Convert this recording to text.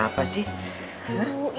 salam salam balik pulang ya